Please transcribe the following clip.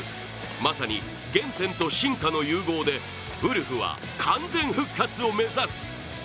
まさに、原点と真価の融合でウルフは完全復活を目指す。